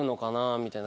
みたいな。